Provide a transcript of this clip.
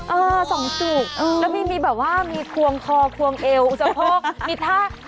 สองจุกแล้วมีแบบว่ามีควงคอควงเอวอุสะโพกมีท่า